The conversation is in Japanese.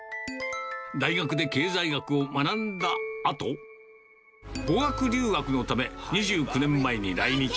大学で経済学を学んだあと、語学留学のため、２９年前に来日。